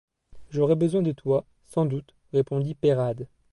J’aurai besoin de toi, sans doute, répondit Peyrade.